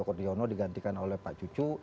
pak joko riono digantikan oleh pak cucu